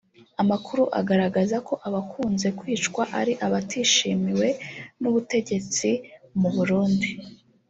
Amakuru agaragaza ko abakunze kwicwa ari abatishimiwe n’ubutegetsi buriho mu Burundi